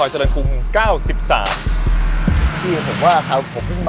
จะเลงมาใช่มั้ยครับ